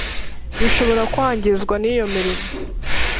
bishobora kwangizwa n iyo mirimo